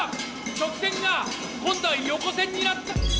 直線が今度は横線になった。